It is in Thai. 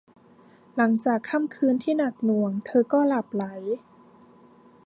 หลังจากค่ำคืนที่หนักหน่วง เธอก็หลับใหล